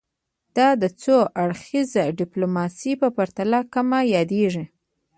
دا د څو اړخیزه ډیپلوماسي په پرتله کمه یادیږي